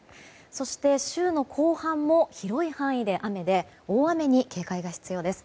そして、週の後半も広い範囲で雨で大雨に警戒が必要です。